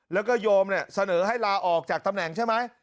แล้วก็โยมเนี่ยเสนอให้ลาออกจากตำแหน่งใช่ไหม